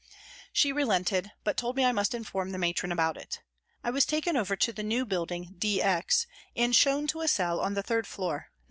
She relented, but told me I must inform the matron about it. I was taken over to the new building " D X," and shown to a cell on the third floor, No.